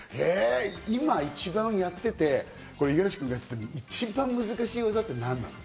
今一番やってて五十嵐君がやってて、一番難しい技って何なの？